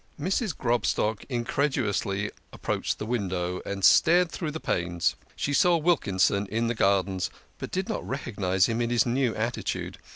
Mrs. Grobstock incredulously approached the window and stared through the panes. She saw Wilkinson in the gardens, but did .not recognise him in his new attitude.